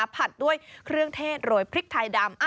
ผัดด้วยเครื่องเทศโรยพริกไทยดำ